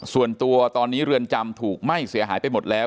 ส่วนตัวตอนนี้เรือนจำถูกไหม้เสียหายไปหมดแล้ว